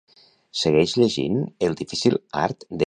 "Segueix llegint ""El difícil art d'ésser humà"" ?"